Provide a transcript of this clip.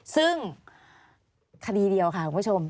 ซึ่งคดีเดียวค่ะคุณผู้ชม